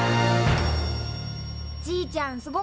じいちゃんすごかった！